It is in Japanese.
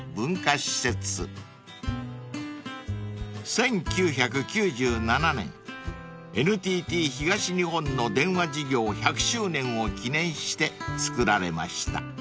［１９９７年ＮＴＴ東日本の電話事業１００周年を記念して造られました］